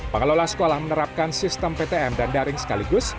pengelola sekolah menerapkan sistem ptm dan daring sekaligus